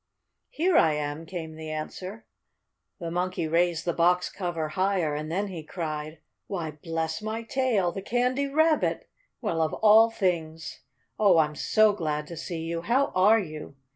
"Here I am," came the answer. The Monkey raised the box cover higher, and then he cried: "Why, bless my tail! The Candy Rabbit! Well, of all things! Oh, I'm so glad to see you! How are you?"